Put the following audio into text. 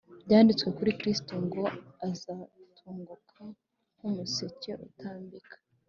byanditwe kuri kristo ngo, “azatunguka nk’umuseke utambika